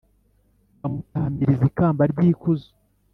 bamutamiriza ikamba ry’ikuzo.